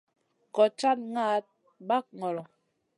Goɗ cad naʼaɗ ɓag ŋolo.